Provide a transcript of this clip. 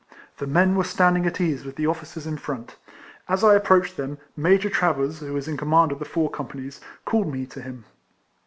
The men were standing at ease, with the officers in front. As I approached them, Major Travers, who was in command of the four companies, called me to him.